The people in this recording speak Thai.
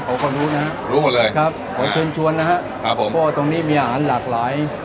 ขอเขารู้นะครับครับขอเชิญชวนนะครับครับผมก็ตรงนี้มีอาหารหลากหลาย